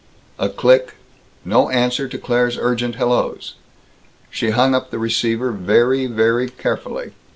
A click. No answer to Claire's urgent hellos. She hung up the receiver very, very carefully.